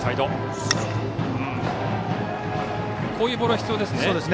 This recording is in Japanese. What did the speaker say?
こういうボールは必要ですね。